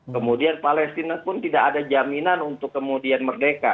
kemudian palestina pun tidak ada jaminan untuk kemudian merdeka